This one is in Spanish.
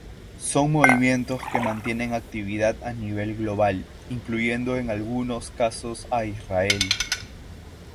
Son movimientos que mantienen actividad a nivel global, incluyendo en algunos casos a Israel.